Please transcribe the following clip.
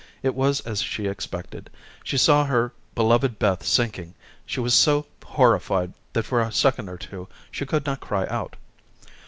It was as she expected. She saw her beloved Beth sinking. She was so horrified that for a second or two she could not cry out.